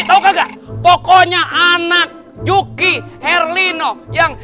pokoknya anak juki herlino yang